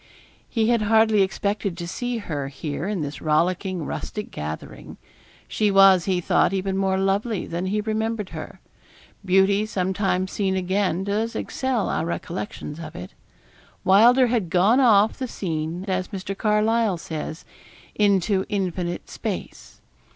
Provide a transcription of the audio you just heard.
He had hardly expected to see her here in this rollicking, rustic gathering. She was, he thought, even more lovely than he remembered her. Beauty sometimes seen again does excel our recollections of it. Wylder had gone off the scene, as Mr. Carlyle says, into infinite space.